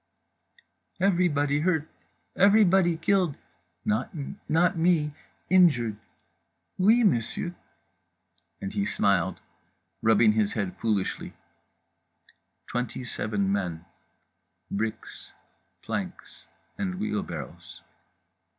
… everybody hurt, everybody killed, not me, injured … oui monsieur"—and he smiled, rubbing his head foolishly. Twenty seven men, bricks, planks and wheelbarrows.